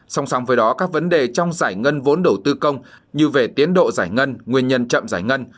song song với đó các vấn đề trong giải ngân vốn đầu tư công như về tiến độ giải ngân nguyên nhân chậm giải ngân